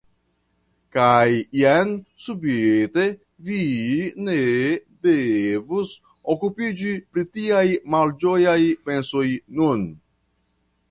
Kaj jen subite vi ne devus okupiĝi pri tiaj malĝojaj pensoj nun.